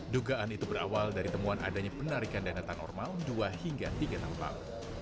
dua ribu sembilan belas dugaan itu berawal dari temuan adanya penarikan dana tanormal dua hingga tiga tampak